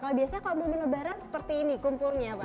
kalau biasanya kalau mau menebaran seperti ini kumpulnya pak